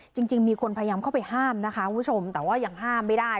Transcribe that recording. จริงมีคนพยายามเข้าไปห้ามนะคะคุณผู้ชมแต่ว่ายังห้ามไม่ได้